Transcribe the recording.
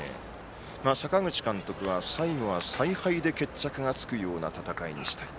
阪口監督は最後は采配で決着がつくような戦いにしたいと。